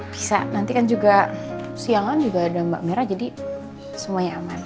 bisa nanti kan juga siangan juga ada mbak merah jadi semuanya aman